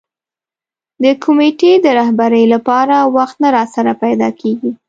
د کمېټې د رهبرۍ لپاره وخت نه راسره پیدا کېږي.